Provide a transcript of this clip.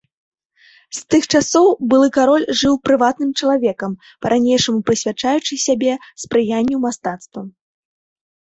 З тых часоў былы кароль жыў прыватным чалавекам, па-ранейшаму прысвячаючы сябе спрыянню мастацтвам.